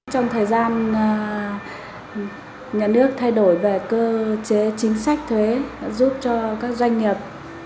trong thời gian nhà nước thay đổi về cơ chế chính sách thuế giúp cho các doanh nghiệp